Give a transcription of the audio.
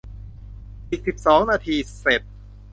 อีกสิบสองนาทีเสร็จ